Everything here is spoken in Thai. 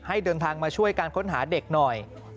เดินทางมาช่วยการค้นหาเด็กหน่อย